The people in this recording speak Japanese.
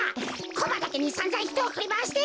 コマだけにさんざんひとをふりまわして！